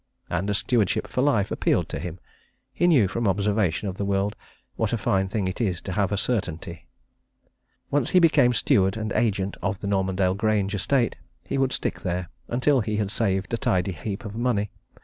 And a stewardship for life appealed to him. He knew, from observation of the world, what a fine thing it is to have a certainty. Once he became steward and agent of the Normandale Grange estate, he would stick there, until he had saved a tidy heap of money.